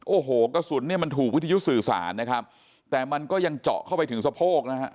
โอ้โหกระสุนเนี่ยมันถูกวิทยุสื่อสารนะครับแต่มันก็ยังเจาะเข้าไปถึงสะโพกนะฮะ